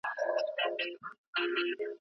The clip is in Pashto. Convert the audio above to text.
هغه کال وه ناغه سوي بارانونه